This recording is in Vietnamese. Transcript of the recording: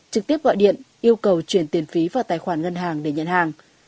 trực tiếp gọi điện yêu cầu chuyển tiền phí vào tài khoản ngân hàng để nhận hàng